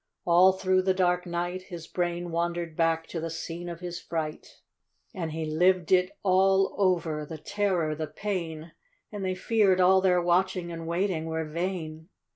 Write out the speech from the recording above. All through that dark night His brain wandered hack to the scene of his fright, 120 THE GREEDY MOUSE. And he lived it all over — the terror— the pain — And they feared all their watching and waiting were vain.